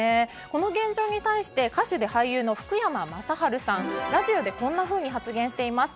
この現状に対して歌手で俳優の福山雅治さんはラジオでこんなふうに発言しています。